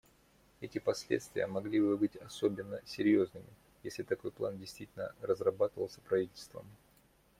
Эти последствия могли бы быть особенно серьезными, если такой план действительно разрабатывался правительством.